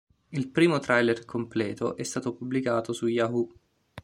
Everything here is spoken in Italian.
Il primo trailer completo è stato pubblicato su Yahoo!